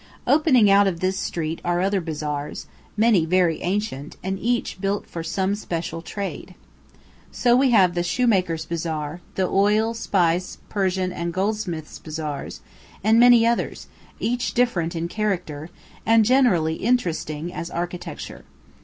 Opening out of this street are other bazaars, many very ancient, and each built for some special trade. So we have the shoemaker's bazaar, the oil, spice, Persian and goldsmith's bazaars, and many others, each different in character, and generally interesting as architecture.